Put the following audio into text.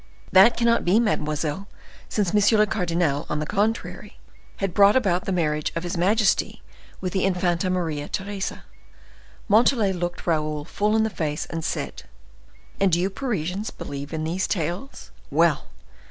"That cannot be, mademoiselle, since M. le Cardinal, on the contrary, had brought about the marriage of his majesty with the Infanta Maria Theresa." Montalais looked Raoul full in the face, and said, "And do you Parisians believe in these tales? Well!